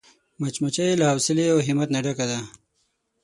مچمچۍ له حوصلې او همت نه ډکه ده